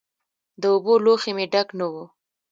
د اوبو لوښی مې ډک نه و.